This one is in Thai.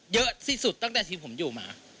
เยอะที่สุดตั้งแต่ที่ผมอยู่มา